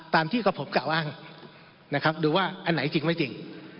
ตามที่กับผมกล่าวอ้างนะครับดูว่าอันไหนจริงไม่จริง